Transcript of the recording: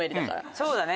そうだね。